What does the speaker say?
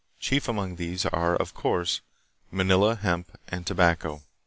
Chief among these are of course Manila hemp and tobacco.